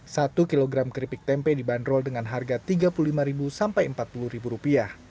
satu kilogram keripik tempe dibanderol dengan harga rp tiga puluh lima sampai rp empat puluh